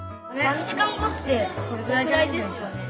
３時間後ってこれくらいですよね？